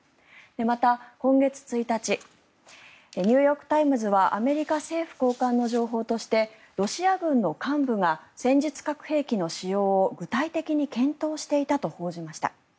また今月１日ニューヨーク・タイムズはアメリカ政府高官の情報としてロシア軍の幹部が戦術核兵器の使用を具体的に検討していたと報じました。